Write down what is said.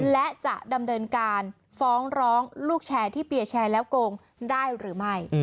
และจะดำเนินการฟ้องร้องลูกแชร์ที่เปียร์แชร์แล้วโกงได้หรือไม่